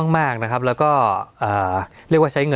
สวัสดีครับทุกผู้ชม